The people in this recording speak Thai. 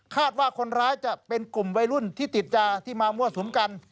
ว่าคนร้ายจะเป็นกลุ่มวัยรุ่นที่ติดยาที่มามั่วสุมกัน